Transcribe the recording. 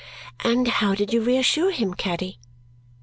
'" "And how did you reassure him, Caddy?"